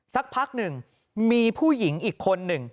สักพักหนึ่งมีผู้หญิงอีกคนหนึ่ง